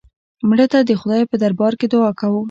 مړه ته د خدای په دربار کې دعا کوو